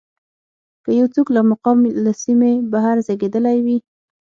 که یو څوک له مقام له سیمې بهر زېږېدلی وي.